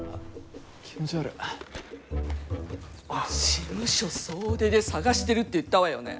事務所総出で探してるって言ったわよね？